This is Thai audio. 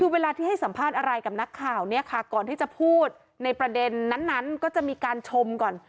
คือเวลาที่ให้สัมภาษณ์อะไรกับนักข่าวเนี่ยค่ะก่อนที่จะพูดในประเด็นนั้นก็จะมีการชมก่อน